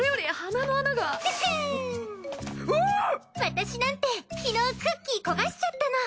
私なんて昨日クッキー焦がしちゃったの。